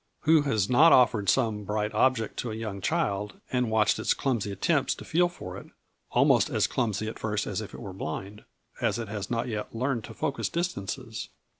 Who has not offered some bright object to a young child and watched its clumsy attempts to feel for it, almost as clumsy at first as if it were blind, as it has not yet learned to focus distances.